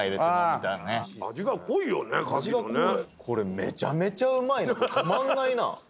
これめちゃめちゃうまい止まんないな。